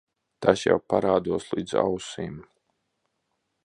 Tas jau parādos līdz ausīm.